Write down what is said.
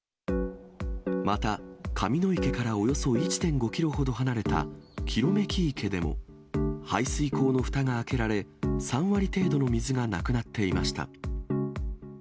また、神野池からおよそ１．５キロほど離れたキロメキ池でも、排水口のふたが開けられ、３割程度の水がなくなっていました。